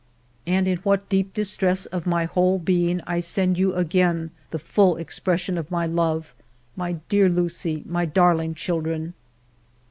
And in what deep distress of my whole being I send you again the full expression of my love, my dear Lucie, my darling children